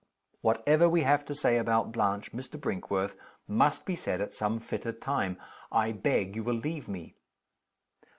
"Whatever we have to say about Blanche, Mr. Brinkworth, must be said at some fitter time. I beg you will leave me."